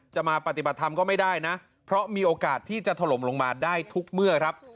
จะมาปฏิบัติธรรมก็ไม่ได้นะเพราะมีโอกาสที่จะถล่มลงมาได้ทุกเมื่อครับ